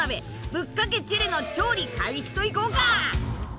ぶっかけチェレの調理開始といこうか！